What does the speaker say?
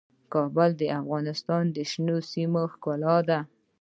کابل د افغانستان د شنو سیمو ښکلا ده.